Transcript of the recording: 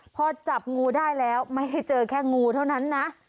พอจับงูได้แล้วไม่ได้เจอแค่งูเท่านั้นนะ